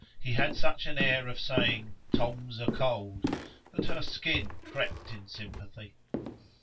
He had such an air of saying, "Tom's a cold", that her skin crept in sympathy.